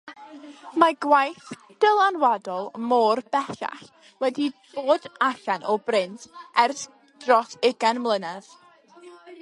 Mae gwaith dylanwadol Moore bellach wedi bod allan o brint ers dros ugain mlynedd.